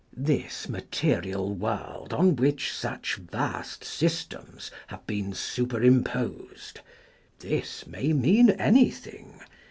This material world on which such vast systems have been superimposed — this may mean anything.